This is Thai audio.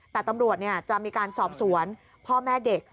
แต่ตำรวจจะมีการสอบสวนพ่อแม่เด็ก